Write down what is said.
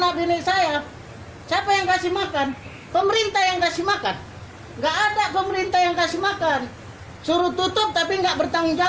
suruh tutup tapi nggak bertanggung jawab